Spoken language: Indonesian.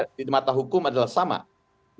ya kami tindakan tegas terhadap negara negara lain